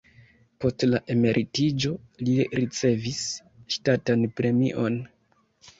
Post la emeritiĝo li ricevis ŝtatan premion.